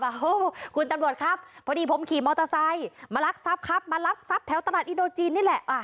โอ้โหคุณตำรวจครับพอดีผมขี่มอเตอร์ไซค์มารักทรัพย์ครับมาลักทรัพย์แถวตลาดอินโดจีนนี่แหละ